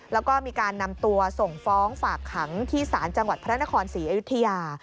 แล้วก็มีการนำตัวส่งฟ้องฝากขังที่ศาลจังหวัดพระนครศรีอยุธยา